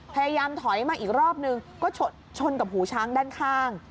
พยายามถอยมาอีกรอบนึงก็ชนกับหูช้างด้านข้าง